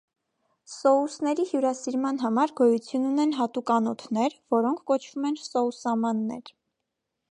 Սոուսների հյուրասիրման համար գոյություն ունեն հատուկ անոթներ, որոնք կոչվում են սոուսամաններ։